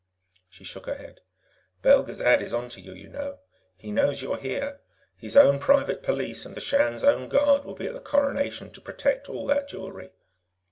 She shook her head. "Belgezad is on to you, you know. He knows you're here. His own private police and the Shan's own Guard will be at the Coronation to protect all that jewelry."